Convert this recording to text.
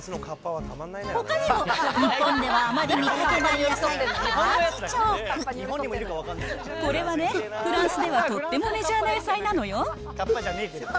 ほかにも日本ではあまり見かけない野菜、これはね、フランスではとってもメジャーな野菜なのよ。